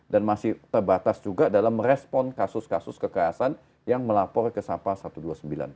dan masih terbatas juga dalam merespon kasus kasus kekerasan yang melapor ke sapa satu ratus dua puluh sembilan tersebut